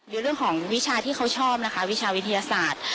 ในเรื่องของวิชาที่เขาชอบนะคะวิชาวิทยาศาสตร์